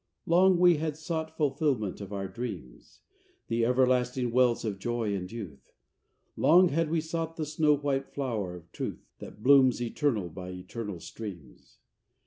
II Long had we sought fulfillment of our dreams, The everlasting wells of Joy and Youth; Long had we sought the snow white flow'r of Truth, That blooms eternal by eternal streams.